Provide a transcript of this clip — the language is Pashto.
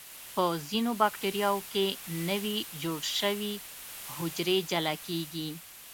په ځینو بکټریاوو کې نوي جوړ شوي حجرې جلا کیږي.